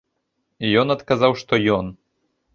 Ён адказаў, што ён.